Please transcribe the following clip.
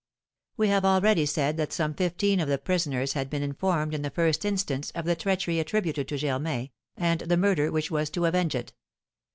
We have already said that some fifteen of the prisoners had been informed in the first instance of the treachery attributed to Germain, and the murder which was to avenge it.